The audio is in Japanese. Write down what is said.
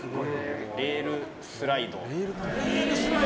レイルスライド！